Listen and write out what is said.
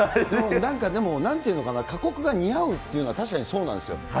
なんかでも、なんていうのかな、過酷が似合うっていうのは、確かにそうなんですよ。